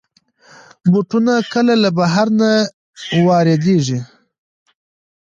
بوټونه کله له بهر نه واردېږي.